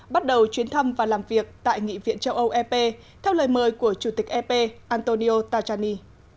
bắt đầu chuyến thăm và làm việc tại nghị viện châu âu ep theo lời mời của chủ tịch ep antonio tajani